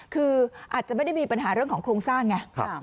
คืออาจจะไม่ได้มีปัญหาเรื่องของโครงสร้างไง